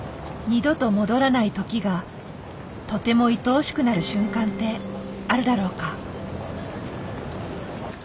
二度と戻らない時がとてもいとおしくなる瞬間ってあるだろうか。